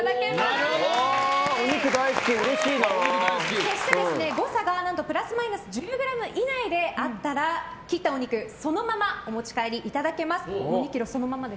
そして、誤差がプラスマイナス１０ｇ以内であったら切ったお肉そのままお持ち帰りいただけます。